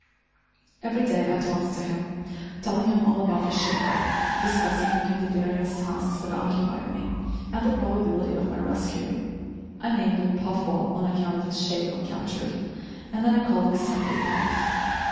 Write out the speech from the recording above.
Every day I talked to him, telling him all about the ship wreck, discussing with him the various tasks that occupied me, and the probability of my rescue. I named him Puff Ball on account of his shape when captured, and then I called him simply "Puff."